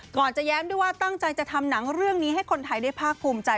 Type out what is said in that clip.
ก่อนจะแย้มด้วยว่าตั้งใจจะทำหนังเรื่องนี้ให้คนไทยได้ภาคภูมิใจ